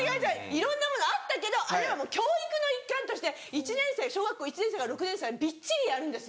いろんなものあったけどあれは教育の一環として小学生１年生から６年生はびっちりやるんですよ。